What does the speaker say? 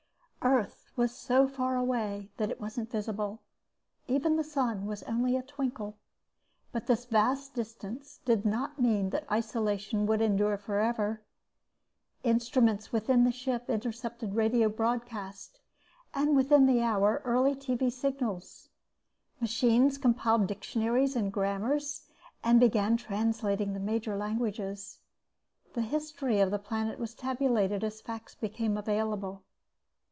_ Earth was so far away that it wasn't visible. Even the sun was only a twinkle. But this vast distance did not mean that isolation could endure forever. Instruments within the ship intercepted radio broadcasts and, within the hour, early TV signals. Machines compiled dictionaries and grammars and began translating the major languages. The history of the planet was tabulated as facts became available.